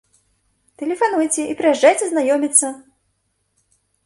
Тэлефануйце і прыязджайце знаёміцца!